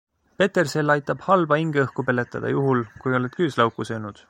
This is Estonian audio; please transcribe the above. Petersell aitab halba hingeõhku peletada juhul, kui oled küüslauku söönud.